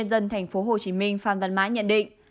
tân thành phố hồ chí minh pham văn mãi nhận định